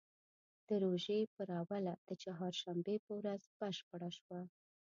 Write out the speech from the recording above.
د روژې پر اوله د چهارشنبې په ورځ بشپړه شوه.